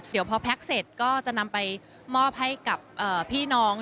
เดี๋ยวพอแพ็คเสร็จก็จะนำไปมอบให้กับพี่น้อง